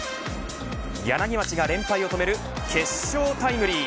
柳町が連敗を止める決勝タイムリー。